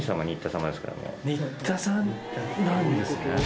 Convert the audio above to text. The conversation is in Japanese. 新田さんなんですね。